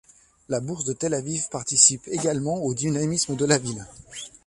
La bourse de Tel-Aviv participe également au dynamisme de la ville.